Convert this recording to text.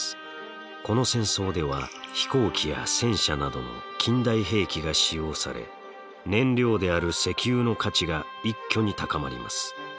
この戦争では飛行機や戦車などの近代兵器が使用され燃料である石油の価値が一挙に高まります。